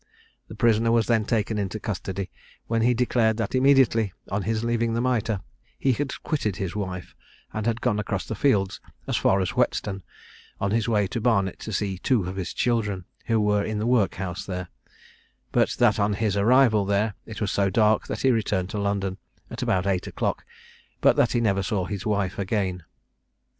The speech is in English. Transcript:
The prisoner was then taken into custody, when he declared that immediately on his leaving the Mitre, he had quitted his wife, and had gone across the fields as far as Whetstone, on his way to Barnet to see two of his children, who were in the workhouse there; but that on his arrival there, it was so dark that he returned to London at about eight o'clock, but that he never saw his wife again.